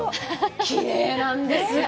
きれいなんですよ。